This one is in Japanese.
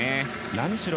何しろ